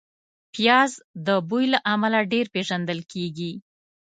پیاز د بوی له امله ډېر پېژندل کېږي